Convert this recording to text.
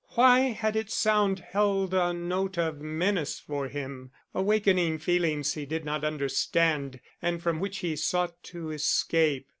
Why had its sound held a note of menace for him, awakening feelings he did not understand and from which he sought to escape?